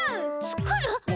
つくる？